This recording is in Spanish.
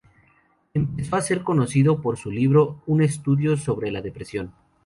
Empezó a ser conocido con su libro "Un estudio sobre la depresión".